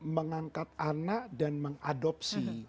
mengangkat anak dan mengadopsi